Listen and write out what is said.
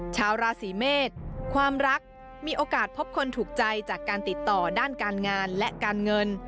ชาวราศีเมษความรักมีโอกาสพบคนถูกใจจากการติดต่อด้านการงานและการเงิน